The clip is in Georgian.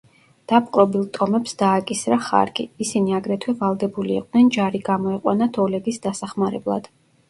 დაპყრობილ ტომებს დააკისრა ხარკი, ისინი აგრეთვე ვალდებული იყვნენ ჯარი გამოეყვანათ ოლეგის დასახმარებლად.